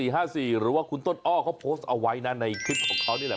หรือว่าคุณต้นอ้อเขาโพสต์เอาไว้นะในคลิปของเขานี่แหละ